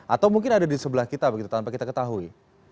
atau mungkin ada di sebelah kita begitu tanpa kita ketahui